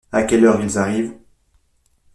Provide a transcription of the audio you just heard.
À quelle heure ils arrivent ?